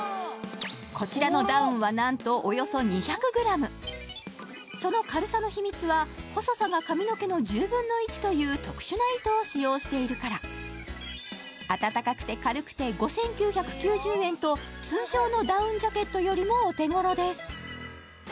こちらのダウンはなんとおよそ２００グラムその軽さの秘密は細さが髪の毛の１０分の１という特殊な糸を使用しているからあたたかくて軽くて５９９０円と通常のダウンジャケットよりもお手頃です